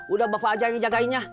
udah bapak aja yang dijagainnya